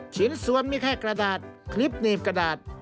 ชิ้นส่วนมีแค่กระดาษคลิปหนีบกระดาษ